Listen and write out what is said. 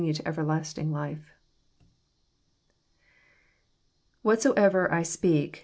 yon to everlasting life. IWhaUoever 1 9peak